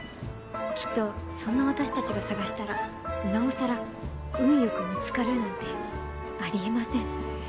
きっとそんな私たちが探したらなおさら運良く見つかるなんてありえません。